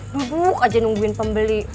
duduk aja nungguin pembeli